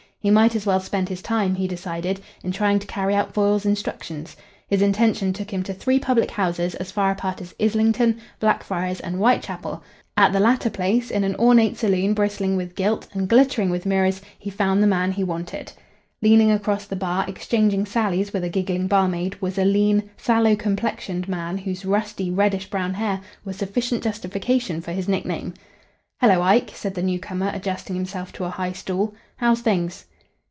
He might as well spend his time, he decided, in trying to carry out Foyle's instructions. His intention took him to three public houses as far apart as Islington, Blackfriars, and Whitechapel; at the latter place, in an ornate saloon bristling with gilt and glittering with mirrors, he found the man he wanted. Leaning across the bar, exchanging sallies with a giggling barmaid, was a lean, sallow complexioned man, whose rusty, reddish brown hair was sufficient justification for his nickname. "Hello, Ike," said the newcomer, adjusting himself to a high stool. "How's things?"